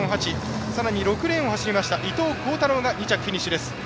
さらに６レーンを走りました伊藤孝太郎が２着フィニッシュです。